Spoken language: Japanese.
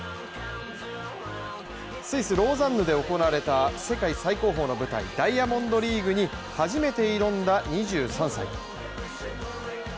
スイス・ローザンヌで行われた世界最高峰の舞台ダイヤモンドリーグに初めて挑んだ２３歳。